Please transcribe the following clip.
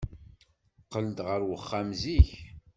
Qqel-d ɣer uxxam zik.